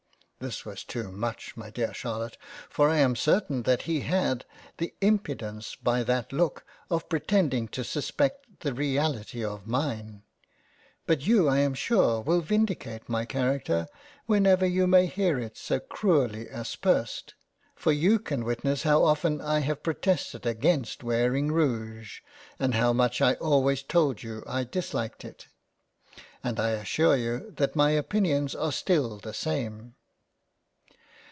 This was too much my dear Charlotte, for I am certain that he had the impudence by that look, of pretending to suspect the reality of mine. But you I am sure will vindicate my character whenever you may hear it so cruelly aspersed, for you can witness how often I have protested against wear ing Rouge, and how much I always told you I disliked it. And I assure you that my opinions are still the same.